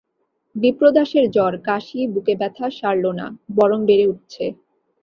বিপ্রদাসের জ্বর, কাশি, বুকে ব্যাথা সারল না– বরং বেড়ে উঠছে।